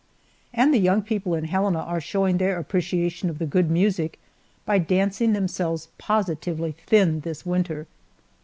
And the young people in Helena are showing their appreciation of the good music by dancing themselves positively thin this winter.